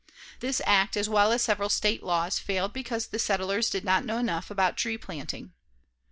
This act, as well as several State laws, failed because the settlers did not know enough about tree planting.